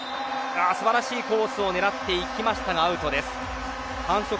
素晴らしいコースを狙っていきましたがアウトです。